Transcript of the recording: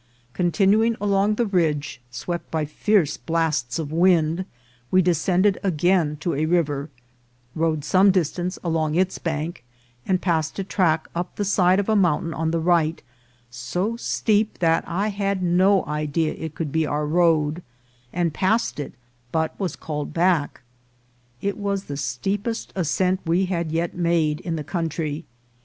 Continuing along the ridge, swept by fierce blasts of wind, we descended again to a river, rode some distance along its bank, and passed a track up the side of a mountain on the right, so steep that I had no idea it could be our road, and passed it, but was called back. It was the steepest ascent we had yet had in the coun try.